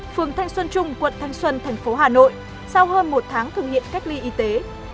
phường thanh xuân trung quận thanh xuân thành phố hà nội sau hơn một tháng thực hiện cách ly y tế